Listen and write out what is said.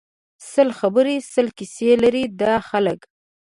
سل خبری سل کیسی لري دا خلک